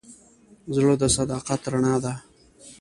زړه د صداقت رڼا ده.